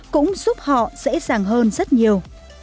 cũng giúp họ dễ dàng hơn rất nhiều